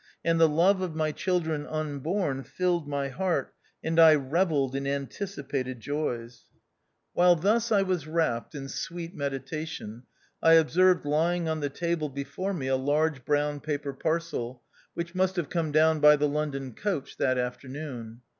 And the love of my children unborn filled my heart, and I revelled in anticipated joys. ioo THE OUTCAST. While thus I was wrapped in sweet meditation, I observed lying on the table before me a large brown paper parcel, which must have come down by the London coach that afternoon.